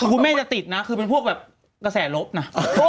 คือคุณแม่จะติดนะคือเป็นพวกแบบกระแสลบนะ